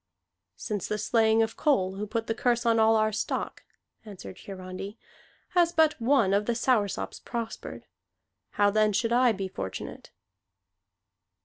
"Since the slaying of Kol, who put the curse on all our stock," answered Hiarandi, "has but one of the Soursops prospered. How then should I be fortunate?"